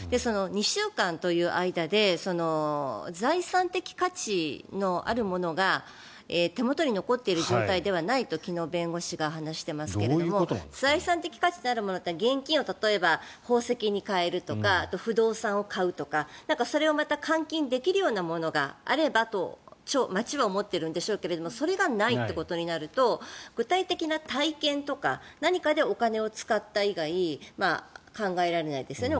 ２週間の間に財産的価値のあるものが手元に残っている状態ではないと昨日、弁護士が話していますが財産的価値のあるものというのは例えば現金を宝石に替えるとか不動産を買うとか、それをまた換金できるようなものがあればと町は思っているんでしょうけどそれがないとなると具体的な体験とか何かでお金を使った以外考えられないですよね。